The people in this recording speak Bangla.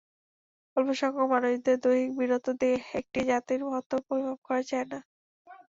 অল্পসংখ্যক মানুষের দৈহিক বীরত্ব দিয়ে একটি জাতির মহত্ত্ব পরিমাপ করা যায় না।